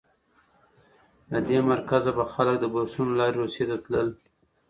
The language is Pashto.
له دې مرکزه به خلک د بورسونو له لارې روسیې ته تلل.